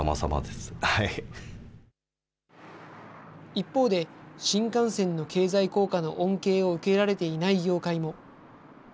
一方で、新幹線の経済効果の恩恵を受けられていない業界も。